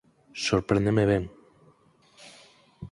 Sorpréndeme ben!